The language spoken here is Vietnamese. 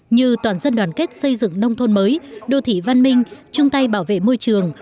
như toàn dân đoàn kết xây dựng nông thôn mới đô thị văn minh chung tay bảo vệ môi trường